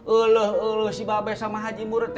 eluh eluh si bapak sama haji murud